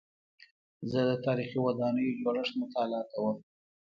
زه د تاریخي ودانیو جوړښت مطالعه کوم.